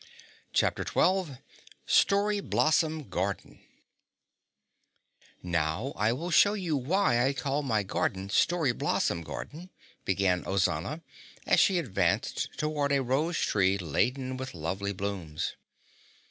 Chapter 12 Story Blossom Garden "Now I will show you why I call my garden Story Blossom Garden," began Ozana as she advanced toward a rose tree laden with lovely blooms.